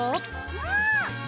うん！